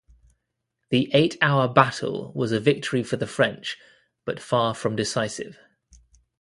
The eight-hour battle was a victory for the French but far from decisive.